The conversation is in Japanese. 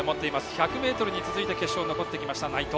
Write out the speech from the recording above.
１００ｍに続いて決勝に残ってきた内藤。